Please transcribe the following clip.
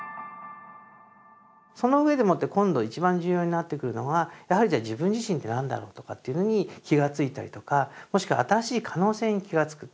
その上でもって今度一番重要になってくるのはやはりじゃ自分自身って何だろうとかっていうのに気が付いたりとかもしくは新しい可能性に気が付く。